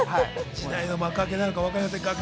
時代の幕開けなのかもわかりません。